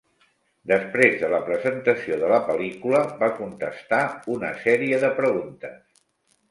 Després de la presentació de la pel·lícula, va contestar una sèrie de preguntes.